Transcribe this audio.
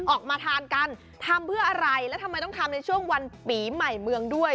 ออกมาทานกันทำเพื่ออะไรแล้วทำไมต้องทำในช่วงวันปีใหม่เมืองด้วย